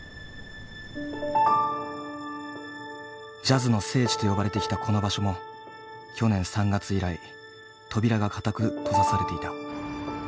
ジャズの聖地と呼ばれてきたこの場所も去年３月以来扉が固く閉ざされていた。